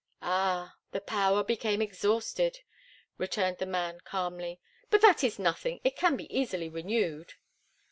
"Ah, the power became exhausted," returned the man, calmly. "But that is nothing. It can be easily renewed."